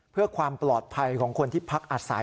เพื่อความปลอดภัยของคนที่พักอาศัย